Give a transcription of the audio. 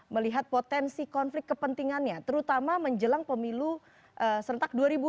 melihat potensi konflik kepentingannya terutama menjelang pemilu serentak dua ribu dua puluh